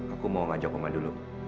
aku mau ngajak mama dulu